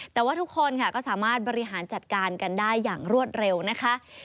แต่ว่าทุกคนค่ะก็สามารถบริหารจัดการกันได้อย่างรวดเร็วนะคะ